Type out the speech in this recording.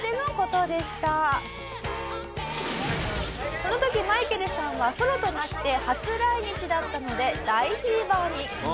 この時マイケルさんはソロとなって初来日だったので大フィーバーに。